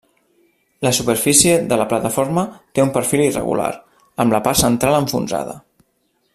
La superfície de la plataforma té un perfil irregular, amb la part central enfonsada.